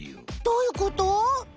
どういうこと？